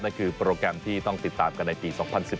คือโปรแกรมที่ต้องติดตามกันในปี๒๐๑๘